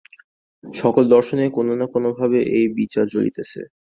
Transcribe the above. সকল দর্শনেই কোন-না-কোন ভাবে এই বিচার চলিতেছে।